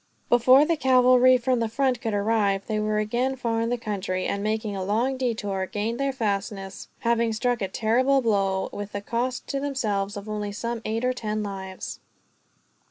Before the cavalry from the front could arrive, they were again far in the country; and, making a long detour, gained their fastness, having struck a terrible blow, with the cost to themselves of only some eight or ten lives.